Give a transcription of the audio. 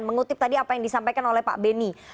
mengutip tadi apa yang disampaikan oleh pak beni